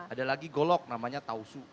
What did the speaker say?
ada lagi golok namanya tausu